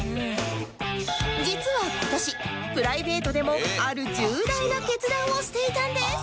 実は今年プライベートでもある重大な決断をしていたんです